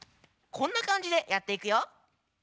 こんなかんじでやっていくよ。